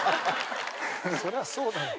そりゃそうだろ。